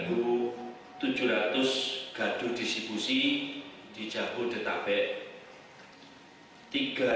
empat puluh tiga tujuh ratus gadu disipusi di jabodetabek